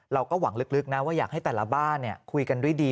เราก็หวังลึกนะว่าอยากให้แต่ละบ้านคุยกันด้วยดี